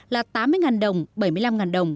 là tám mươi đồng bảy mươi năm đồng